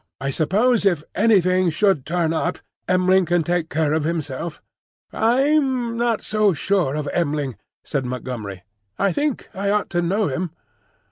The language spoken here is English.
"I suppose if anything should turn up, M'ling can take care of himself?" "I'm not so sure of M'ling," said Montgomery. "I think I ought to know him."